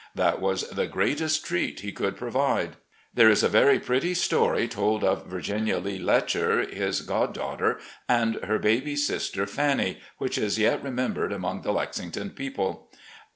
That was the greatest treat he could provide. There is a very pretty story told of Virginia Lee Letcher, his god daughter, and her baby sister, Fannie, which is yet remembered among the Lexington people.